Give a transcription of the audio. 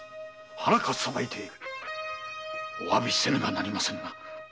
腹かっさばいてお詫びせねばなりませぬが。